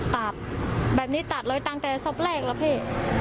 ตัดแบบนี้ตัดเลยตั้งแต่สอบแรกแล้วพี่